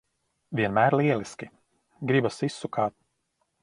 Vienmēr lieliski! Gribas izsukāt.